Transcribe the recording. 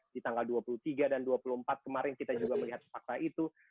di tanggal dua puluh tiga dan dua puluh empat kemarin kita juga melihat fakta itu